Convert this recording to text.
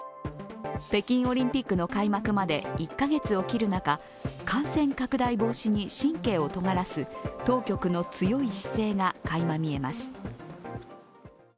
北京オリンピックの開幕まで１カ月を切る中感染拡大防止に神経をとがらす当局の強い姿勢がかいま見えます。